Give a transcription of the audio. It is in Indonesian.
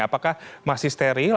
apakah masih steril